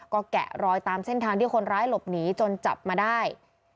ก็แกะรอยตามเส้นทางที่คนร้ายหลบหนีจนจับมาได้